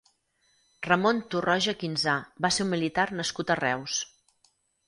Ramon Torroja Quinzà va ser un militar nascut a Reus.